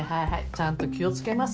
ちゃんと気を付けます。